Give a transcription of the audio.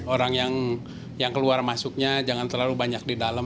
orang yang keluar masuknya jangan terlalu banyak di dalam